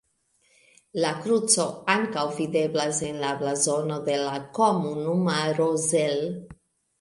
La kruco ankaŭ videblas en la blazono de la komunumaro Zell.